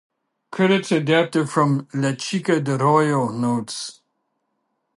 Credits adapted from "La Chica de Rojo" notes.